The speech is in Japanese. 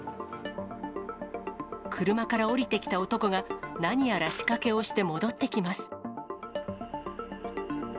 車から降りてきた男が、何やら仕掛けをして戻ってきます。